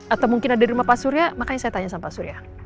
atau mungkin ada di rumah pak surya makanya saya tanya sama pak surya